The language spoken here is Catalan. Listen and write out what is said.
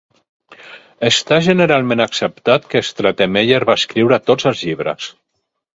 Està generalment acceptat que Stratemeyer va escriure tots els llibres.